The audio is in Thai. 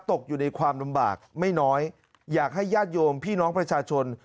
ตกอยู่ในความลำบากไม่น้อยอยากให้ญาติโยมพี่น้องประชาชน